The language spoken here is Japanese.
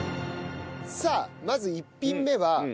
さあまず１品目は。